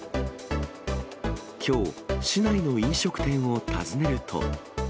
きょう、市内の飲食店を訪ねると。